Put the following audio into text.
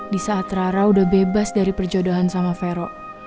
di saat rara udah bebas dari perjodohan sama vero